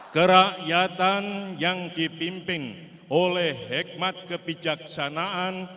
kerakyatan yang dipimpin oleh hikmat kebijaksanaan